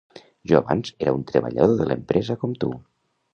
Jo abans era un treballador de l'empresa com tu.